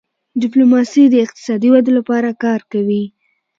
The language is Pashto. ډيپلوماسي د اقتصادي ودې لپاره کار کوي.